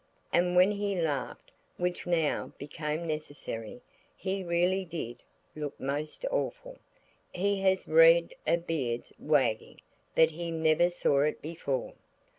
And when he laughed, which now became necessary, he really did look most awful. He has read of beards wagging, but he never saw it before.